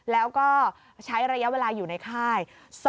แล้วก็ใช้ระยะเวลาอยู่ในค่าย